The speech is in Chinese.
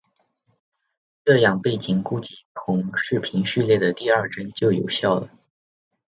这样背景估计从视频序列的第二帧就有效了。